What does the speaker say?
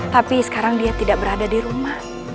tapi sekarang dia tidak berada di rumah